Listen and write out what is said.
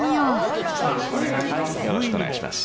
よろしくお願いします。